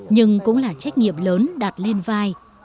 nhưng cũng là trách nhiệm lớn đạt lên vai